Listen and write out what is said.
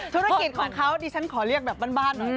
ธุรกิจของเขาดิฉันขอเรียกแบบบ้านหน่อย